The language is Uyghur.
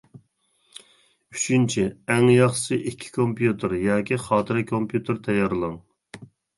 ئۈچىنچى: ئەڭ ياخشىسى ئىككى كومپيۇتېر ياكى خاتىرە كومپيۇتېر تەييارلاڭ.